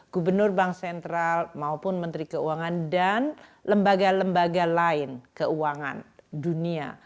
gubernur bank sentral maupun menteri keuangan dan lembaga lembaga lain keuangan dunia